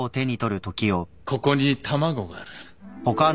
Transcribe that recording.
ここに卵がある。